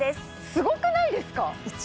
すごくないですか？